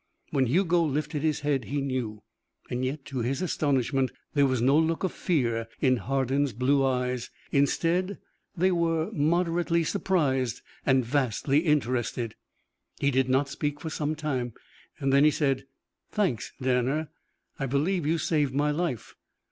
When Hugo lifted his head, he knew. Yet, to his astonishment, there was no look of fear in Hardin's blue eyes. Instead, they were moderately surprised, vastly interested. He did not speak for some time. Then he said: "Thanks, Danner. I believe you saved my life.